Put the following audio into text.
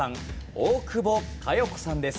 大久保佳代子さんです。